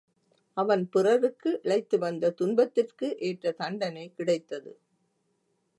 அவன் பிறருக்கு இழைத்து வந்த துன்பத்திற்கு ஏற்ற தண்டனை கிடைத்தது.